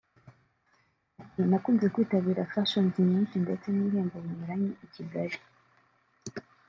Ati “ Nakunze kwitabira fashions nyinshi ndetse n’ibihembo binyuranye i Kigali